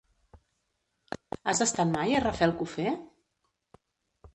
Has estat mai a Rafelcofer?